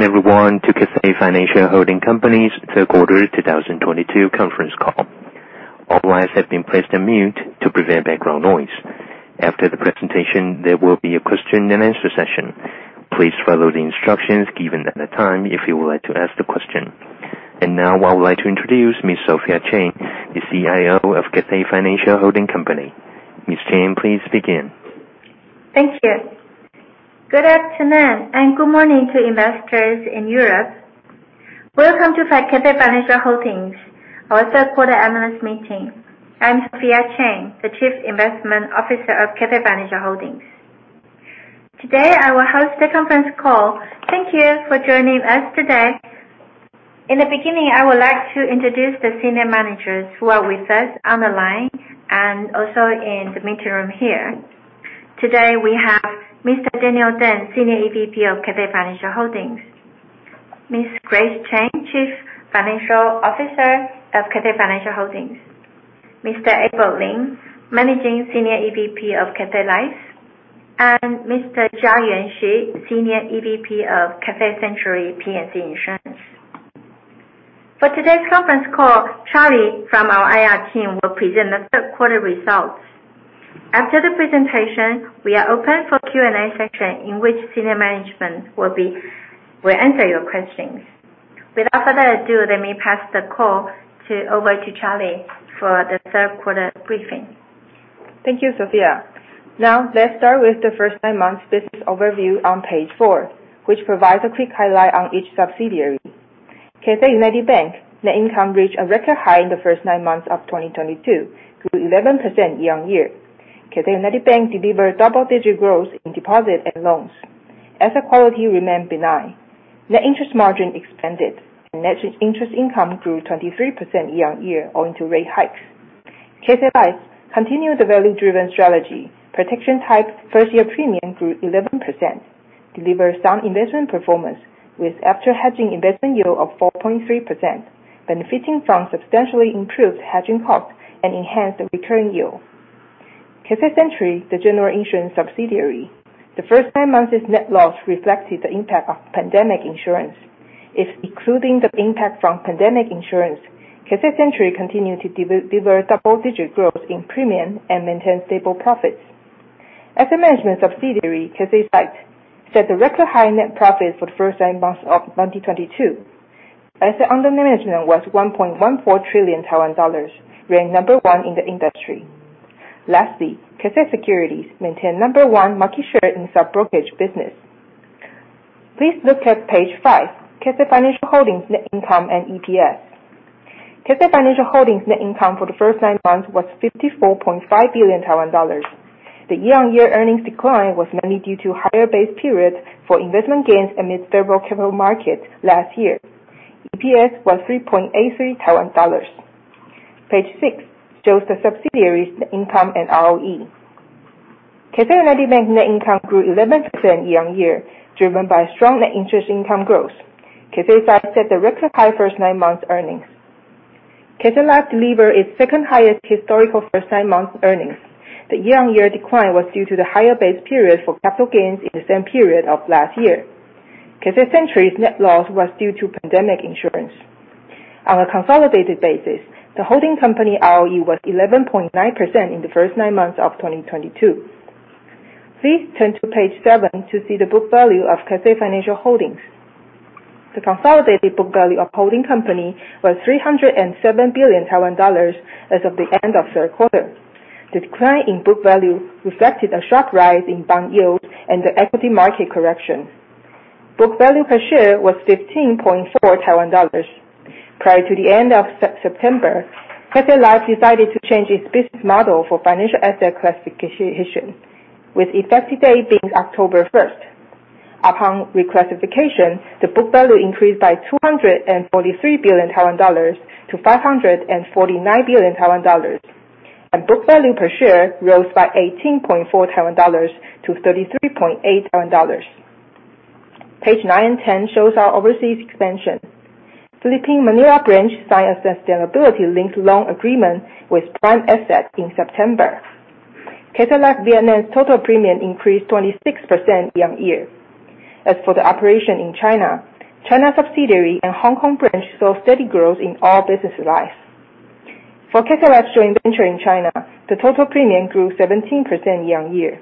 Welcome everyone to Cathay Financial Holding Company's third quarter 2022 conference call. All lines have been placed on mute to prevent background noise. After the presentation, there will be a question and answer session. Please follow the instructions given at the time if you would like to ask the question. I would like to introduce Ms. Sophia Cheng, the CIO of Cathay Financial Holding Company. Ms. Cheng, please begin. Thank you. Good afternoon, good morning to investors in Europe. Welcome to Cathay Financial Holding, our third quarter analyst meeting. I'm Sophia Cheng, the Chief Investment Officer of Cathay Financial Holding. Today, I will host the conference call. Thank you for joining us today. In the beginning, I would like to introduce the senior managers who are with us on the line and also in the meeting room here. Today we have Mr. Daniel Teng, Senior EVP of Cathay Financial Holding, Ms. Grace Chen, Chief Financial Officer of Cathay Financial Holding, Mr. Abel Lin, Managing Senior EVP of Cathay Life, and Mr. Chia-Yuan Hsu, Senior EVP of Cathay Century P&C Insurance. For today's conference call, Charlie from our IR team will present the third quarter results. After the presentation, we are open for Q&A session, in which senior management will answer your questions. Without further ado, let me pass the call over to Charlie for the third quarter briefing. Thank you, Sophia. Let's start with the first nine months business overview on page 4, which provides a quick highlight on each subsidiary. Cathay United Bank net income reached a record high in the first nine months of 2022, grew 11% year-on-year. Cathay United Bank delivered double-digit growth in deposit and loans. Asset quality remained benign. Net interest margin expanded, net interest income grew 23% year-on-year owing to rate hikes. Cathay Life continued the value-driven strategy. Protection type first-year premium grew 11%, delivered sound investment performance with after-hedging investment yield of 4.3%, benefiting from substantially improved hedging costs and enhanced return yield. Cathay Century, the general insurance subsidiary, the first nine months' net loss reflected the impact of pandemic insurance. If excluding the impact from pandemic insurance, Cathay Century continued to deliver double-digit growth in premium and maintain stable profits. Asset management subsidiary, Cathay Asset, set a record high net profit for the first nine months of 2022. Asset under management was 1.14 trillion Taiwan dollars, ranked number one in the industry. Cathay Securities maintained number one market share in sub-brokerage business. Please look at page five, Cathay Financial Holding net income and EPS. Cathay Financial Holding net income for the first nine months was 54.5 billion Taiwan dollars. The year-on-year earnings decline was mainly due to higher base periods for investment gains amid favorable capital markets last year. EPS was 3.83 Taiwan dollars. Page six shows the subsidiaries' net income and ROE. Cathay United Bank net income grew 11% year-on-year, driven by strong net interest income growth. Cathay Asset set the record high first nine months earnings. Cathay Life delivered its second highest historical first nine months earnings. The year-on-year decline was due to the higher base period for capital gains in the same period of last year. Cathay Century's net loss was due to pandemic insurance. On a consolidated basis, the holding company ROE was 11.9% in the first nine months of 2022. Please turn to page seven to see the book value of Cathay Financial Holding. The consolidated book value of holding company was 307 billion Taiwan dollars as of the end of the third quarter. The decline in book value reflected a sharp rise in bond yields and the equity market correction. Book value per share was 15.4 Taiwan dollars. Prior to the end of September, Cathay Life decided to change its business model for financial asset classification, with effective date being October 1st. Upon reclassification, the book value increased by 243 billion Taiwan dollars to 549 billion Taiwan dollars, and book value per share rose by 18.4 Taiwan dollars to 33.8 Taiwan dollars. Page 9 and 10 shows our overseas expansion. Philippine Manila branch signed a sustainability linked loan agreement with Prime Asset in September. Cathay Life Vietnam's total premium increased 26% year-on-year. As for the operation in China subsidiary and Hong Kong branch saw steady growth in all business lines. For Cathay Life's joint venture in China, the total premium grew 17% year-on-year.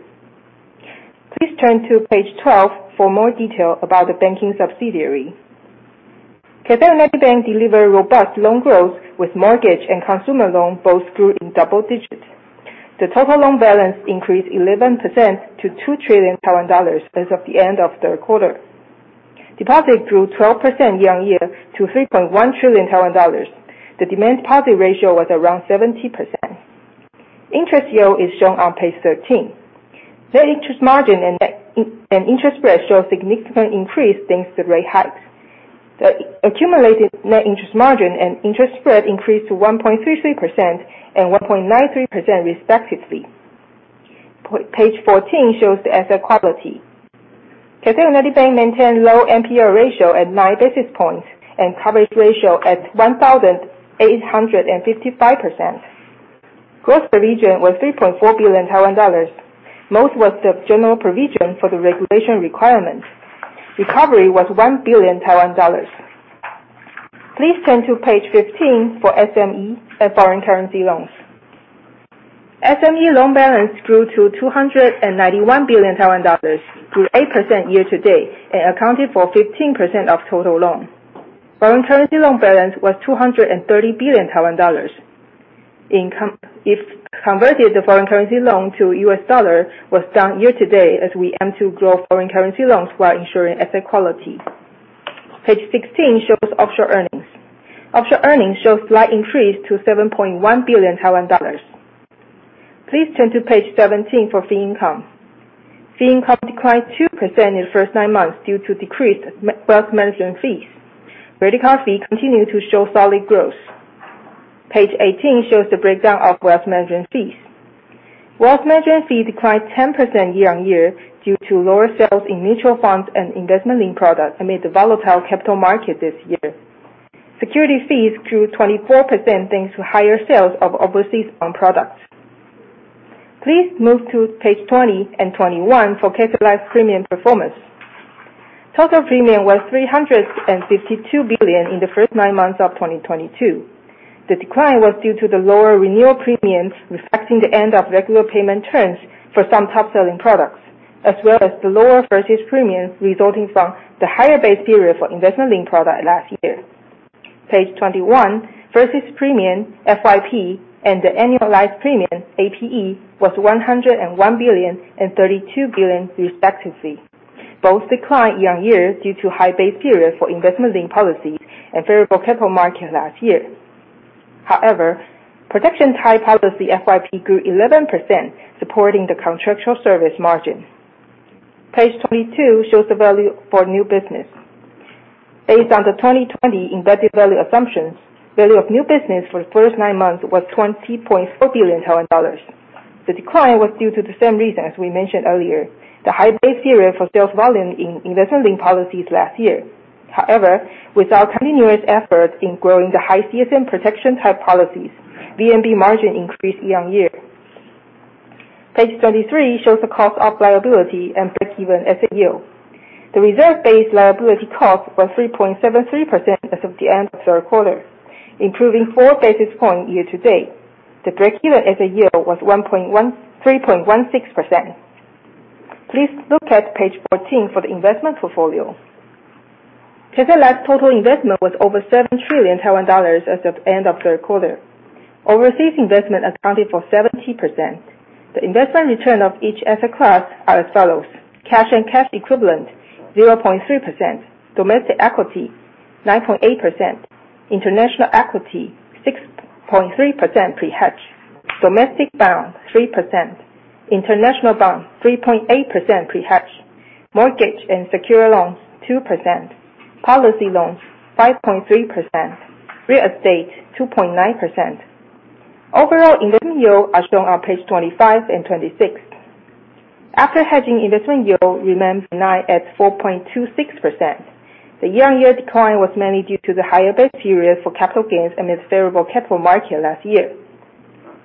Please turn to page 12 for more detail about the banking subsidiary. Cathay United Bank delivered robust loan growth, with mortgage and consumer loans both grew in double digits. The total loan balance increased 11% to TWD 2 trillion as of the end of the third quarter. Deposit grew 12% year-on-year to 3.1 trillion dollars. The demand deposit ratio was around 70%. Interest yield is shown on page 13. Net interest margin and interest spread show significant increase thanks to rate hikes. The accumulated net interest margin and interest spread increased to 1.33% and 1.93%, respectively. Page 14 shows the asset quality. Cathay United Bank maintained low NPL ratio at 9 basis points and coverage ratio at 1,855%. Gross provision was 3.4 billion Taiwan dollars. Most was the general provision for the regulation requirement. Recovery was 1 billion Taiwan dollars. Please turn to page 15 for SME and foreign currency loans. SME loan balance grew to 291 billion dollars, grew 8% year-to-date, and accounted for 15% of total loan. Foreign currency loan balance was 230 billion Taiwan dollars. If converted the foreign currency loan to US dollar, was down year-to-date as we aim to grow foreign currency loans while ensuring asset quality. Page 16 shows offshore earnings. Offshore earnings show slight increase to 7.1 billion Taiwan dollars. Please turn to page 17 for fee income. Fee income declined 2% in the first nine months due to decreased wealth management fees. Vertical fee continued to show solid growth. Page 18 shows the breakdown of wealth management fees. Wealth management fee declined 10% year-over-year due to lower sales in mutual funds and investment-linked product amid the volatile capital market this year. Securities fees grew 24% thanks to higher sales of overseas bond products. Please move to page 20 and 21 for Cathay Life premium performance. Total premium was TWD 352 billion in the first nine months of 2022. The decline was due to the lower renewal premiums, reflecting the end of regular payment terms for some top-selling products, as well as the lower new business premium resulting from the higher base period for investment-linked product last year. Page 21, new business premium, FYP, and the annualized premium, APE, was 101 billion and 32 billion respectively. Both declined year-over-year due to high base period for investment-linked policies and favorable capital market last year. However, protection type policy FYP grew 11%, supporting the contractual service margin. Page 22 shows the value of new business. Based on the 2020 embedded value assumptions, value of new business for the first nine months was 20.4 billion dollars. The decline was due to the same reason as we mentioned earlier, the high base period for sales volume in investment-linked policies last year. However, with our continuous effort in growing the high CSM protection type policies, VNB margin increased year-over-year. Page 23 shows the cost of liability and break-even asset yield. The reserve-based liability cost was 3.73% as of the end of the third quarter, improving 4 basis points year-to-date. The break-even asset yield was 3.16%. Please look at page 14 for the investment portfolio. Cathay Life total investment was over 7 trillion Taiwan dollars as of the end of the third quarter. Overseas investment accounted for 70%. The investment return of each asset class are as follows: cash and cash equivalent, 0.3%, domestic equity, 9.8%, international equity, 6.3% pre-hedge, domestic bond, 3%, international bond, 3.8% pre-hedge, mortgage and secure loans, 2%, policy loans, 5.3%, real estate, 2.9%. Overall investment yield are shown on page 25 and 26. After hedging investment yield remained benign at 4.26%. The year-over-year decline was mainly due to the higher base period for capital gains amid favorable capital market last year.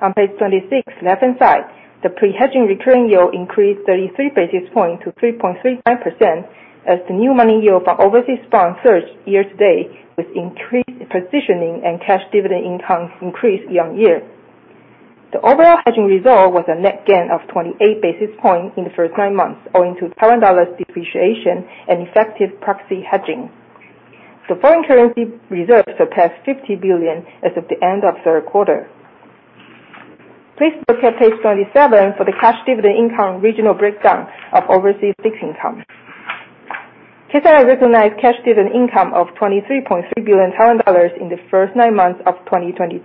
On page 26, left-hand side, the pre-hedging return yield increased 33 basis points to 3.35% as the new money yield from overseas bond surged year-to-date with increased positioning and cash dividend income increased year-over-year. The overall hedging result was a net gain of 28 basis points in the first nine months, owing to TWD depreciation and effective proxy hedging. The foreign currency reserves surpassed 50 billion as of the end of the third quarter. Please look at page 27 for the cash dividend income regional breakdown of overseas fixed income. Cathay recognized cash dividend income of TWD 23.3 billion in the first nine months of 2022,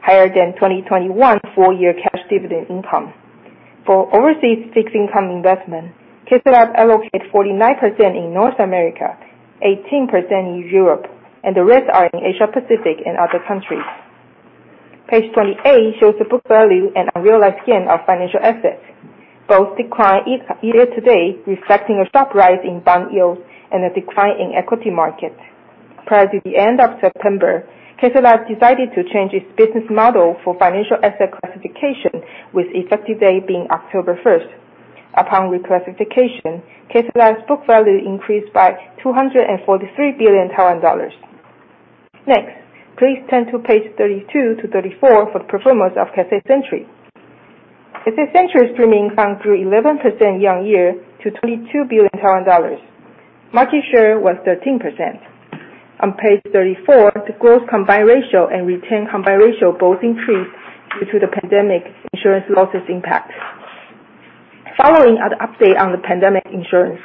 higher than 2021 full year cash dividend income. For overseas fixed income investment, Cathay Life allocate 49% in North America, 18% in Europe, and the rest are in Asia Pacific and other countries. Page 28 shows the book value and unrealized gain of financial assets. Both decline year to date, reflecting a sharp rise in bond yields and a decline in equity markets. Prior to the end of September, Cathay Life decided to change its business model for financial asset classification, with effective date being October 1st. Upon reclassification, Cathay Life's book value increased by 243 billion Taiwan dollars. Next, please turn to page 32 to 34 for the performance of Cathay Century. Cathay Century's premium earned grew 11% year-on-year to 22 billion Taiwan dollars. Market share was 13%. On page 34, the gross combined ratio and retained combined ratio both increased due to the pandemic insurance losses impact. Following an update on the pandemic insurance,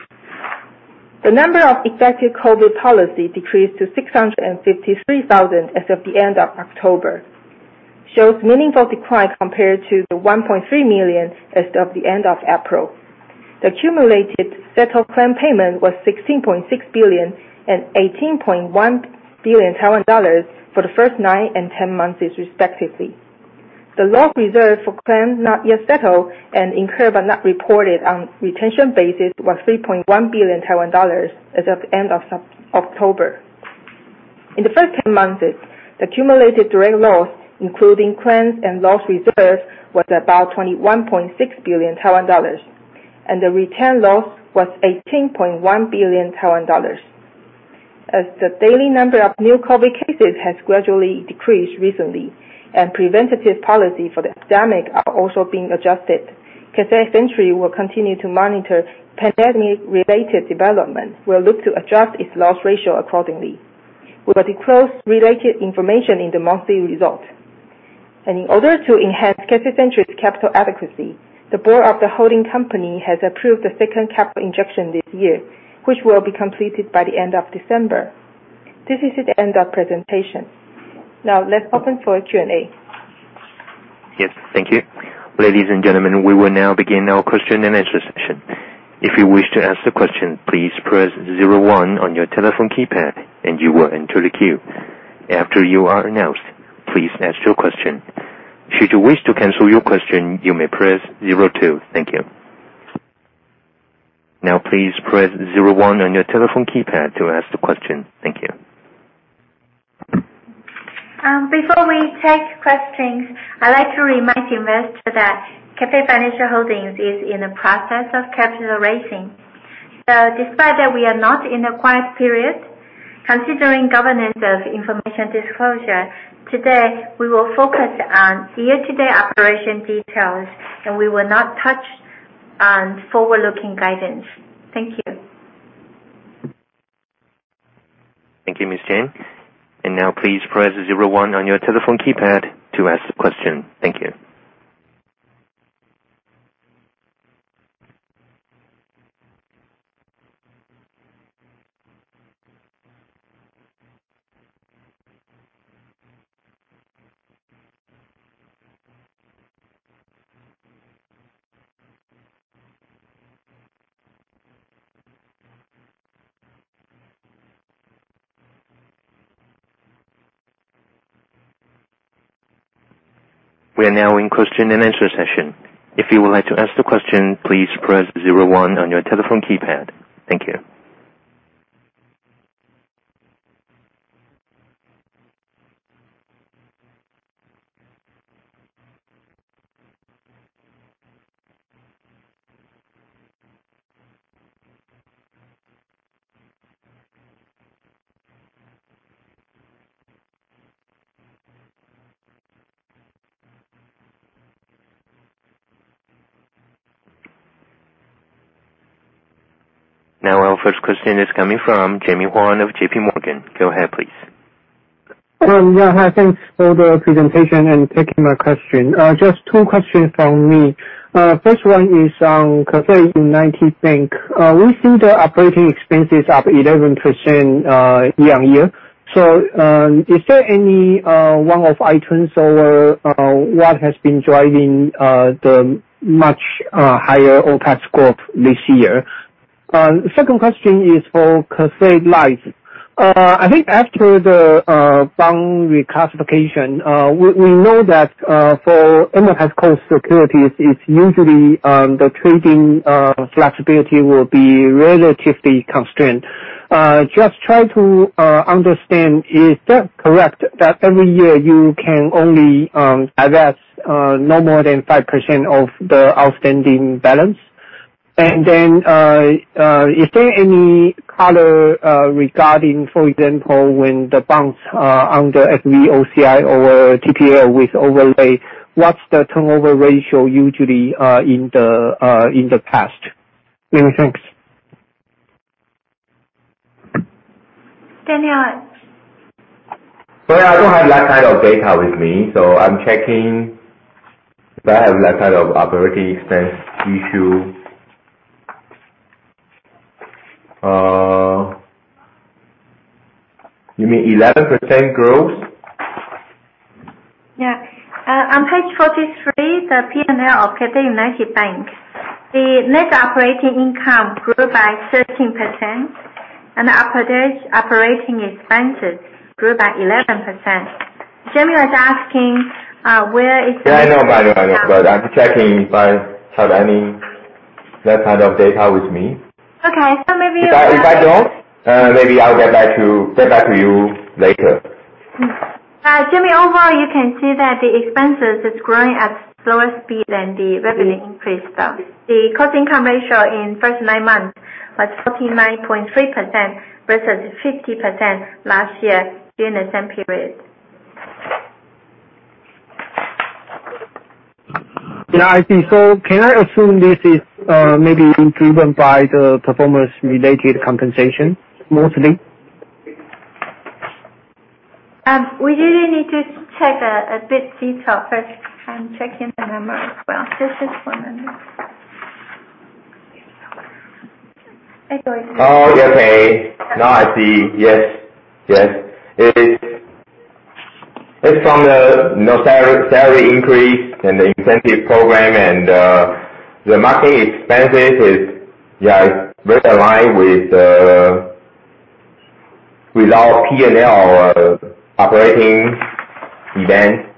the number of effective COVID policy decreased to 653,000 as of the end of October, shows meaningful decline compared to the 1.3 million as of the end of April. The accumulated settled claim payment was 16.6 billion and 18.1 billion Taiwan dollars for the first nine and 10 months respectively. The loss reserved for claims not yet settled and incurred but not reported on retention basis was 3.1 billion Taiwan dollars as of the end of October. In the first 10 months, the accumulated direct loss, including claims and loss reserves, was about 21.6 billion Taiwan dollars, and the retained loss was 18.1 billion Taiwan dollars. As the daily number of new COVID cases has gradually decreased recently, and preventative policy for the pandemic are also being adjusted, Cathay Century will continue to monitor pandemic-related developments. We'll look to adjust its loss ratio accordingly. We will disclose related information in the monthly result. In order to enhance Cathay Century's capital adequacy, the board of the holding company has approved the second capital injection this year, which will be completed by the end of December. This is the end of presentation. Now, let's open for Q&A. Yes. Thank you. Ladies and gentlemen, we will now begin our question-and-answer session. If you wish to ask the question, please press zero one on your telephone keypad, you will enter the queue. After you are announced, please ask your question. Should you wish to cancel your question, you may press zero two. Thank you. Please press zero one on your telephone keypad to ask the question. Thank you. Before we take questions, I'd like to remind you that Cathay Financial Holdings is in the process of capital raising. Despite that we are not in a quiet period, considering governance of information disclosure, today we will focus on year-to-date operation details, and we will not touch on forward-looking guidance. Thank you. Thank you, Ms. Jiang. Now please press zero one on your telephone keypad to ask the question. Thank you. We are now in question-and-answer session. If you would like to ask the question, please press zero one on your telephone keypad. Thank you. Our first question is coming from Jaime Huang of JPMorgan. Go ahead, please. Yeah. Hi. Thanks for the presentation and taking my question. Just two questions from me. First one is on Cathay United Bank. We've seen the operating expenses up 11% year-on-year. Is there any one of items or what has been driving the much higher OPEX growth this year? Second question is for Cathay Life. I think after the bond reclassification, we know that for amortized cost securities, it's usually the trading flexibility will be relatively constrained. Just trying to understand, is that correct? That every year you can only address no more than 5% of the outstanding balance? And then, is there any color regarding, for example, when the banks are under FVOCI or FVTPL with overlay, what's the turnover ratio usually in the past? Thanks. Daniel. Well, I don't have that kind of data with me. I'm checking if I have that kind of operating expense issue. You mean 11% growth? Yeah. On page 43, the P&L of Cathay United Bank. The net operating income grew by 13%. Operating expenses grew by 11%. Jaime was asking where is- Yeah, I know. I'm checking if I have any of that kind of data with me. Okay. Maybe- If I don't, maybe I'll get back to you later. Jaime, overall, you can see that the expenses is growing at slower speed than the revenue increase. The cost income ratio in first nine months was 49.3% versus 50% last year during the same period. Yeah, I see. Can I assume this is maybe driven by the performance-related compensation mostly? We really need to check a bit detail first. I'm checking the number as well. Just one minute. Okay. Now I see. Yes. It's from the salary increase and the incentive program and the marketing expenses is very aligned with our P&L operating environment.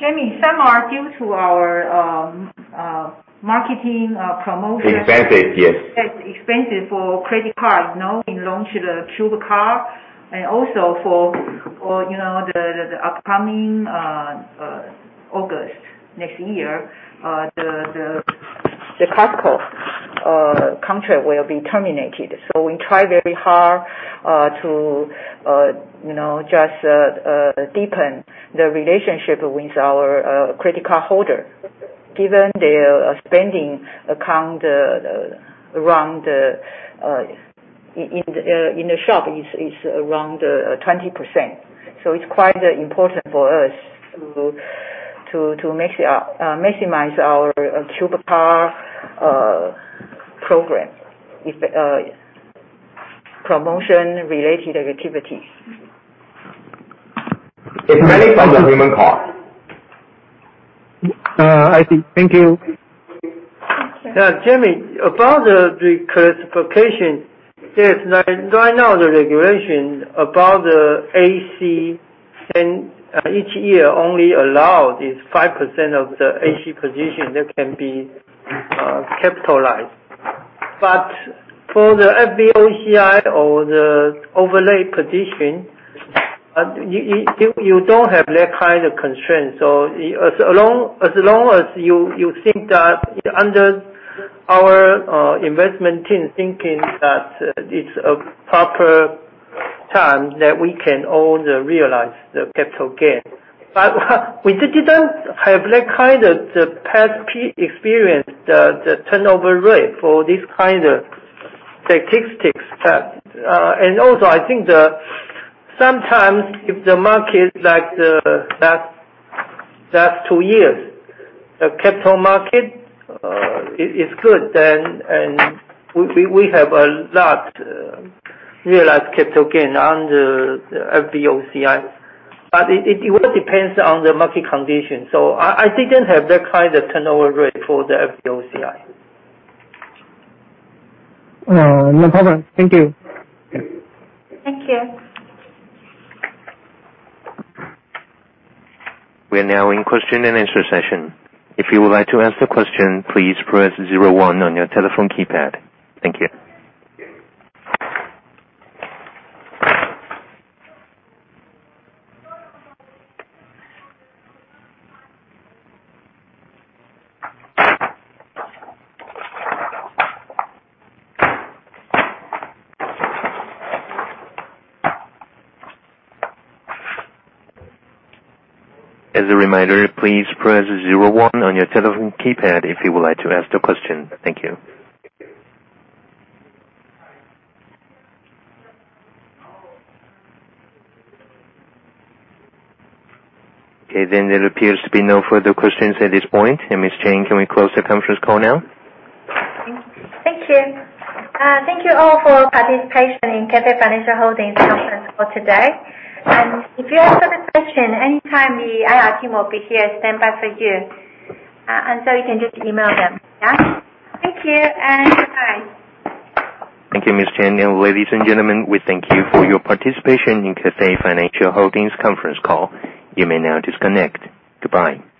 Jaime, some are due to our marketing promotion. Expenses, yes. Yes, expenses for credit card in launch of the TPASS card, and also for the upcoming August next year, the contract will be terminated. We try very hard to just deepen the relationship with our credit card holder, given their spending account in the shop is around 20%. It's quite important for us to maximize our TPASS card program, promotion-related activities. It's mainly from the CUBE card. I see. Thank you. Thank you. Yeah, Jaime, about the reclassification, yes, right now the regulation about the AC, each year only allow this 5% of the AC position that can be capitalized. For the FVOCI or the overlay position, you don't have that kind of constraint. As long as you think that under our investment team thinking that it's a proper time that we can all realize the capital gain. We didn't have that kind of past experience, the turnover rate for this kind of statistics. Also I think that sometimes if the market, like the last 2 years, the capital market is good, then we have a lot realized capital gain under the FVOCI. It all depends on the market condition. I didn't have that kind of turnover rate for the FVOCI. No problem. Thank you. Thank you. We are now in question and answer session. If you would like to ask the question, please press zero one on your telephone keypad. Thank you. As a reminder, please press zero one on your telephone keypad if you would like to ask the question. Thank you. Okay, there appears to be no further questions at this point. Ms. Chen, can we close the conference call now? Thank you. Thank you all for participation in Cathay Financial Holdings conference call today. If you have further question, anytime, the IR team will be here stand by for you. You can just email them. Yeah? Thank you, and goodbye. Thank you, Ms. Chen. Ladies and gentlemen, we thank you for your participation in Cathay Financial Holdings conference call. You may now disconnect. Goodbye.